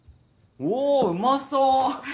おうまそう！